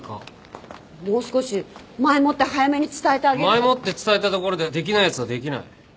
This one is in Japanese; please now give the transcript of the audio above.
前もって伝えたところでできないやつはできない。